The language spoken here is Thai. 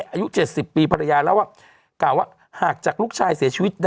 อายุ๗๐ปีภรรยาเล่าว่ากล่าวว่าหากจากลูกชายเสียชีวิต